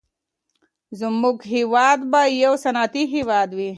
زموږ هېواد به يو صنعتي هېواد وي.